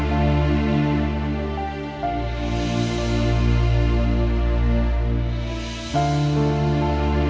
sampai jumpa lagi